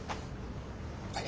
はい。